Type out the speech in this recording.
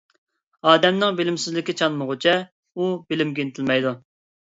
ئادەمنىڭ بىلىمسىزلىكى چانمىغۇچە، ئۇ بىلىمگە ئىنتىلمەيدۇ.